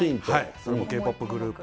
それもＫ−ＰＯＰグループ。